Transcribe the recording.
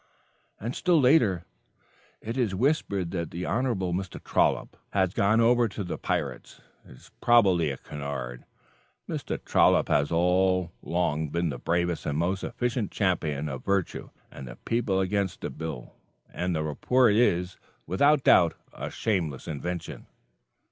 And still later: "It is whispered that the Hon. Mr. Trollop has gone over to the pirates. It is probably a canard. Mr. Trollop has all along been the bravest and most efficient champion of virtue and the people against the bill, and the report is without doubt a shameless invention."